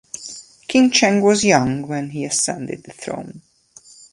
King Cheng was young when he ascended the throne.